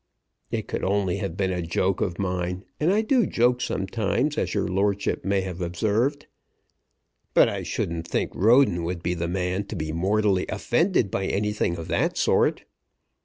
It could only have been a joke of mine; and I do joke sometimes, as your lordship may have observed. But I shouldn't think Roden would be the man to be mortally offended by anything of that sort.